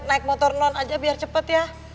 naik motor non aja biar cepet ya